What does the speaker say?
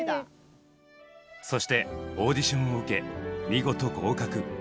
そしてオーディションを受け見事合格。